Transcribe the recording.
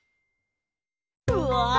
うわ！